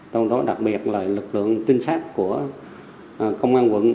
trong đó đặc biệt là lực lượng trinh sát của công an quận